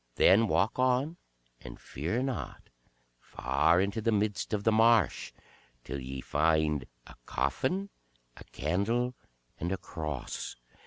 Then walk on and fear not, far into the midst of the marsh, till ye find a coffin, a candle, and a cross.